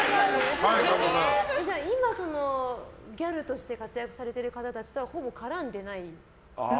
じゃあ今ギャルとして活躍されてる方たちとほぼ絡んでない？